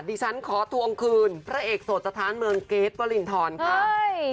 ดิฉันขอทวงคืนพระเอกโสดสถานเมืองเกรทวรินทรค่ะ